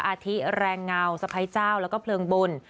อาทิแรงเงาสะพ้ายเจ้าแล้วก็เพลิงบุญ